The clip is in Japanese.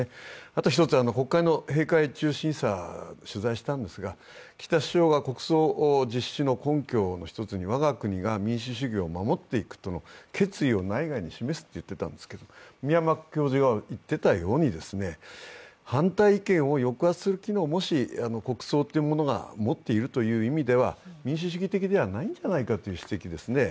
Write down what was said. あと１つ、国会の閉会中審査を取材したんですけれども岸田首相が国葬実施の根拠の一つに、我が国が民主主義を守っていくとの決意を内外に示すと言っていたんですけれども、宮間教授が言っていたように反対意見を抑圧する機能をもし国葬というものが持っているという意味では民主主義的ではないんじゃないかという指摘ですね。